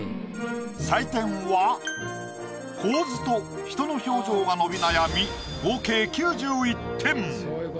採点は構図と人の表情が伸び悩み合計９１点。